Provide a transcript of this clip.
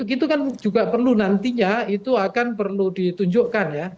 itu kan juga perlu nantinya itu akan perlu ditunjukkan ya